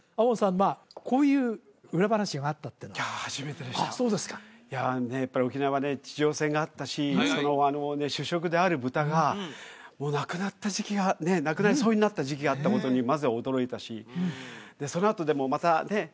門さんまあこういう裏話があったってのはいやあ初めてでしたあっそうですかいやあやっぱり沖縄はね地上戦があったし主食である豚がもうなくなった時期がねえなくなりそうになった時期があったことにまずは驚いたしそのあとでもまたね